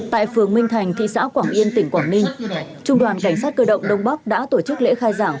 tại phường minh thành thị xã quảng yên tỉnh quảng ninh trung đoàn cảnh sát cơ động đông bắc đã tổ chức lễ khai giảng